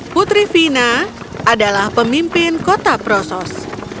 putri fina adalah pemimpin kota prosos